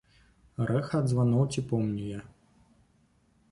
Рэха ад званоў ці помню я?